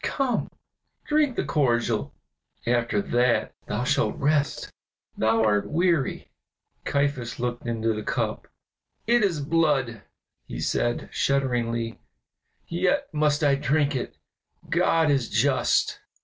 Come, drink the cordial, after that thou shalt rest; thou art weary." Caiaphas looked into the cup. "It is blood," he said, shudderingly, "yet must I drink it; God is just!"